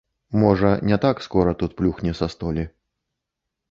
Можа, не так скора тут плюхне са столі.